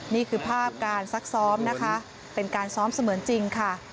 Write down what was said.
นี่คือภาพการซักซ้อมนะคะเป็นการซ้อมเสมือนจริงค่ะ